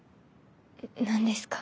何ですか？